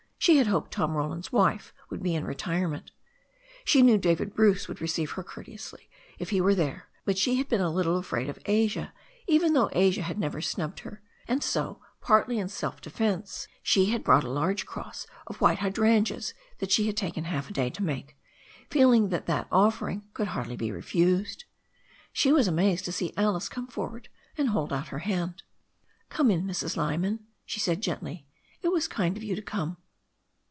She had hoped Tom Roland's wife would be in retirement. She knew David Bruce would receive her courteously if he were there, but she had been a \\\X\^ ^ii^id of Asia, even though Asia had never snubbed het, axid so, ^^'OQi^ 'vcl ^r5&A^\krra^ she had THE STORY OF A NEW ZEALAND RIVER 413 brought a large cross of white hydrangeas that she had taken half the day to make, feeling that that offering coul4 hardly be refused. She was amazed to see Alice come for ward and hold out her hand. "Come in, Mrs. Lyman," she said gently. "It was kind of you to come."